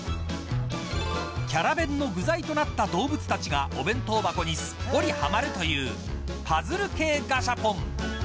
キャラ弁の具材となった動物たちがお弁当箱にすっぽりはまるというパズル系ガシャポン。